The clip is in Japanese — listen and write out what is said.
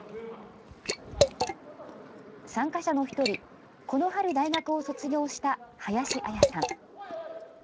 参加者の１人、この春、大学を卒業した林あやさん。